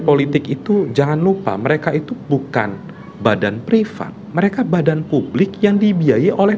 politik itu jangan lupa mereka itu bukan badan privat mereka badan publik yang dibiayai oleh